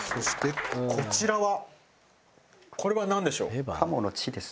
そしてこちらはこれはなんでしょう？